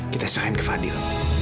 kita serahin ke fadil